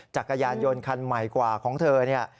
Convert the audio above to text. จักรยานยนต์คันใหม่กว่าของเธอเนี่ย